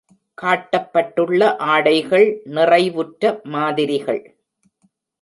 காட்டப்பட்டுள்ள ஆடைகள் நிறைவுற்ற மாதிரிகள்.